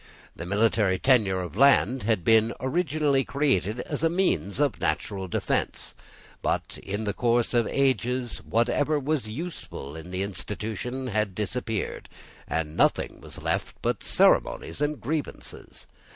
The military tenure of land had been originally created as a means of national defence. But in the course of ages whatever was useful in the institution had disappeared; and nothing was left but ceremonies and grievances.